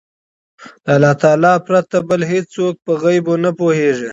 د الله تعالی پرته بل هيڅوک په غيبو نه پوهيږي